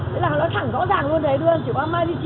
đấy là nó thẳng rõ ràng luôn đấy đương chỉ có maggi chira thôi